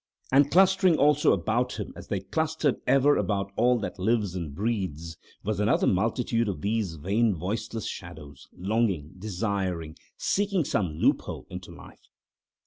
And clustering also about him, as they clustered ever about all that lives and breathes, was another multitude of these vain voiceless shadows, longing, desiring, seeking some loophole into life.